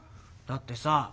だってさ